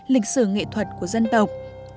lịch sử nghệ thuật của dân tộc